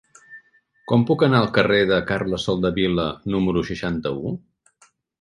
Com puc anar al carrer de Carles Soldevila número seixanta-u?